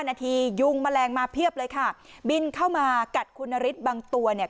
นาทียุงแมลงมาเพียบเลยค่ะบินเข้ามากัดคุณนฤทธิ์บางตัวเนี่ย